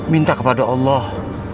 minta kepada allah